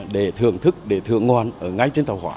để thưởng thức để thưởng ngoan ở ngay trên tàu hỏa